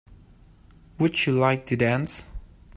Would you like to dance?